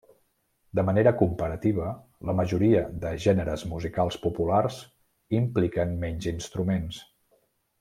De manera comparativa, la majoria de gèneres musicals populars impliquen menys instruments.